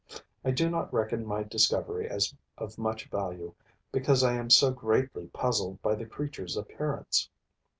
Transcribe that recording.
I do not reckon my discovery as of much value, because I am so greatly puzzled by the creature's appearance.